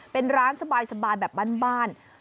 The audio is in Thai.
เป็นร้านสบายแบบบ้าน